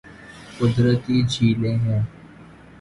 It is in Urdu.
قدرتی جھیلیں ہیں